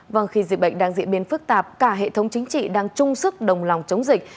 vâng khi dịch bệnh đang diễn biến phức tạp cả hệ thống chính trị đang chung sức đồng lòng chống dịch